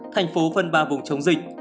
thành phố phân ba vùng chống dịch